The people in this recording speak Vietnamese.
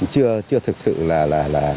chưa thực sự là